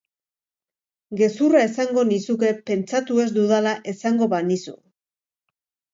Gezurra esango nizuke pentsatu ez dudala esango banizu.